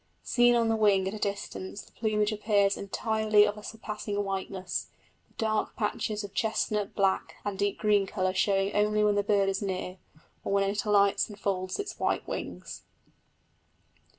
Seen on the wing at a distance the plumage appears entirely of a surpassing whiteness, the dark patches of chestnut, black, and deep green colour showing only when the bird is near, or when it alights and folds its white wings.